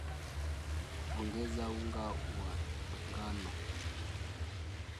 Ongeza unga wa ngano